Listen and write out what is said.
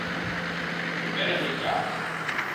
Ferbergje karren.